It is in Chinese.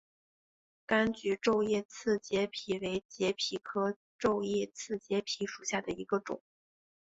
柑桔皱叶刺节蜱为节蜱科皱叶刺节蜱属下的一个种。